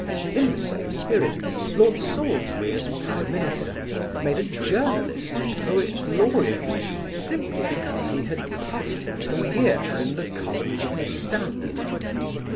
In the same spirit Lord Salisbury as Prime Minister made a journalist Poet Laureate simply because he had puffed him for years in the columns of The Standard.